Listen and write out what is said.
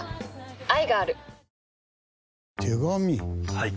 はい。